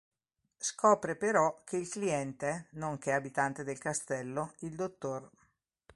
Scopre però che il cliente, nonché abitante del castello, il dott.